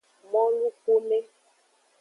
Molukume.